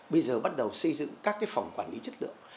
bây giờ bắt đầu xây dựng các phòng quản lý chất lượng